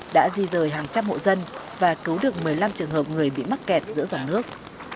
đã di rời hàng trăm hộ dân và cứu được một mươi năm trường hợp người bị mắc kẹt giữa dòng nước